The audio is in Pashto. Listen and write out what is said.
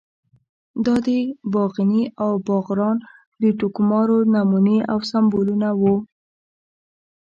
دا د باغني او باغران د ټوکمارو نمونې او سمبولونه وو.